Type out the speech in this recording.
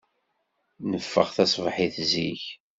Neffeɣ taṣebḥit zik.